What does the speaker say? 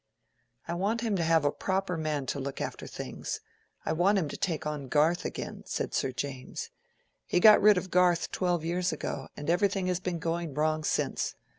"I want him to have a proper man to look after things—I want him to take on Garth again," said Sir James. "He got rid of Garth twelve years ago, and everything has been going wrong since.